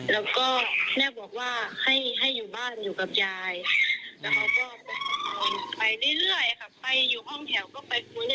แล้วก็แม่บอกว่าให้ให้อยู่บ้านอยู่กับยายไปได้เลยค่ะไปอยู่ห้องแถวก็ไปคุย